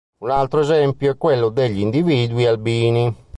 Un altro esempio è quello degli individui albini.